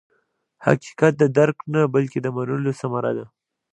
حقیقت د درک نه، بلکې د منلو ثمره ده.